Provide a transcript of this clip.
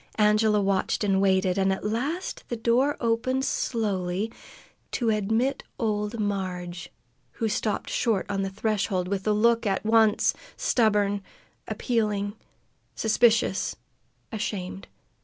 Angela watched and waited, and at last the door opened slowly to admit old Marg, who stopped short on the threshold, with a look at once stubborn, appealing, suspicious, ashamed.